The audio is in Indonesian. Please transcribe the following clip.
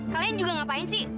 kalian juga ngapain sih